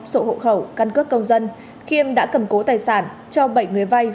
sổ hộ khẩu căn cước công dân khiêm đã cầm cố tài sản cho bảy người vay